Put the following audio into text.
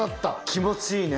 気持ちいい。